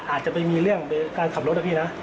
อาจจะไปมีเรื่องการขับรถนะพี่นะ